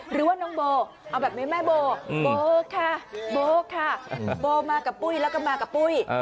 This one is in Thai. หรือว่าน้องโบเอาแบบนี้แม่โบโบค่ะโบค่ะโบมากับปุ้ยแล้วก็มากับปุ้ย